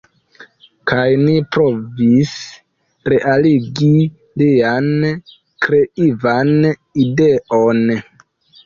Kaj ni provis realigi lian kreivan ideon.